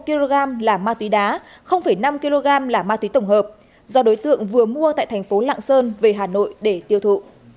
một kg là ma túy đá năm kg là ma túy tổng hợp do đối tượng vừa mua tại tp hcm về hà nội để tiêu thụ